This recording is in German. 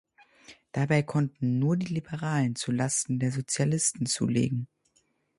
Dabei konnten nur die Liberalen zu Lasten der Sozialisten zulegen.